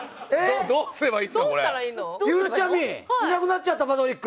ゆうちゃみいなくなっちゃったパトリック。